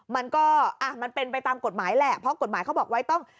มันก็มันเป็นไปตามกฎหมายแหละเพราะกฎหมายเขาบอกไว้ต้อง